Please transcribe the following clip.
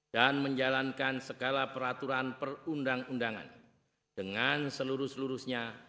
dan menjalankan segala peraturan perundang undangan dengan seluruh seluruhnya